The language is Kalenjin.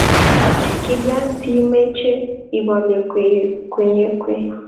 Kilyan siimeche ibolie kwekeny